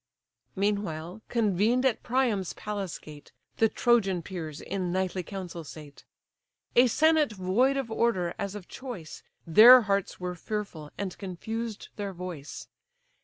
Meanwhile, convened at Priam's palace gate, The Trojan peers in nightly council sate; A senate void of order, as of choice: Their hearts were fearful, and confused their voice.